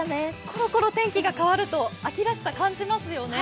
コロコロ天気変わると秋らしさを感じますよね。